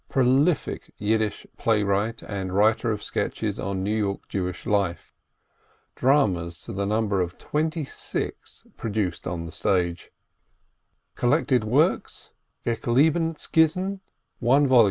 prolific Yiddish playwright and writer of sketches on New York Jewish life; dramas to the number of twenty six produced on the stage; collected works, Geklibene Skizzen, 1 vol.